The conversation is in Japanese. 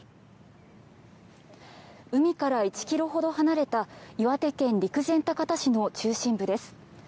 海から１ｋｍほど離れた岩手県陸前高田市の中心部です。